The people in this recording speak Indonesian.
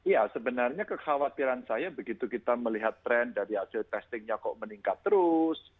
ya sebenarnya kekhawatiran saya begitu kita melihat tren dari hasil testingnya kok meningkat terus